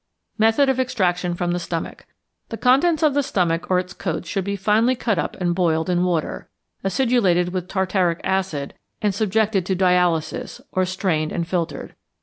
Method of Extraction from the Stomach. The contents of the stomach or its coats should be finely cut up and boiled in water, acidulated with tartaric acid and subjected to dialysis, or strained and filtered.